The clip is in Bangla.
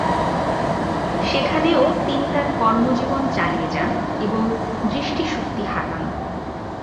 সেখানেও তিনি তার কর্মজীবন চালিয়ে যান এবং দৃষ্টিশক্তি হারান।